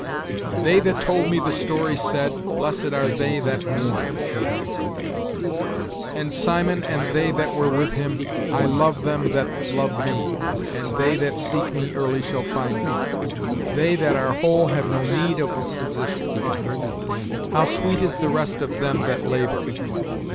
"'They that told me the story said'; 'Blessed are they that mourn'; 'and Simon and they that were with him'; 'I love them that love me, and they that seek me early shall find me'; 'they that are whole have no need of a physician'; 'how sweet is the rest of them that labor!'